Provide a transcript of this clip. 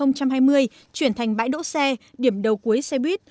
bến xe khách liên tỉnh sẽ được chuyển thành bãi đỗ xe điểm đầu cuối xe buýt